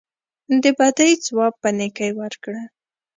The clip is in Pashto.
د بدۍ ځواب په نیکۍ ورکړه.